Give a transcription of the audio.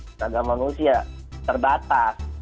tenaga manusia terbatas